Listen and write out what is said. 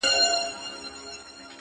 جلوه مخي په گودر دي اموخته کړم,